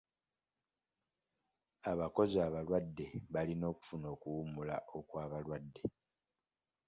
Abakozi abalwadde balina okufuna okuwummula okw'abalwadde.